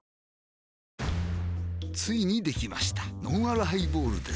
ついにできましたのんあるハイボールです